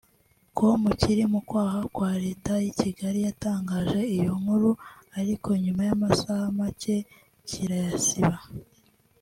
com kiri mu kwaha kwa Leta y’i Kigali cyatangaje iyo nkuru ariko nyuma y’amasaha make kirayisiba